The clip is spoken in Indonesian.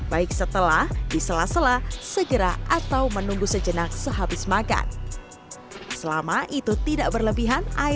baik setelah disela sela segera atau segera